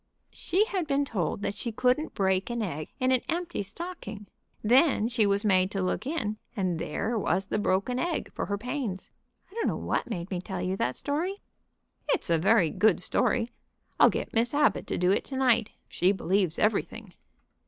"She had been told she couldn't break an egg in an empty stocking. Then she was made to look in, and there was the broken egg for her pains. I don't know what made me tell you that story." "It's a very good story. I'll get Miss Abbott to do it to night. She believes everything."